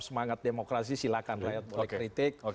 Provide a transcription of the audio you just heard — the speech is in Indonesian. semangat demokrasi silahkan rakyat kritik